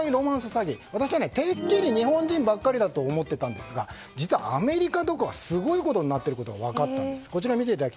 詐欺私はてっきり日本人ばかりだと思ってたんですが実はアメリカとかはすごいことになっていることが分かったんです。